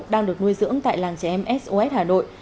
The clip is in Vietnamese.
đang được nuôi dưỡng tại làng trẻ em sos hà nội